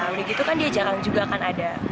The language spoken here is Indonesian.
menurut itu kan dia jarang juga akan ada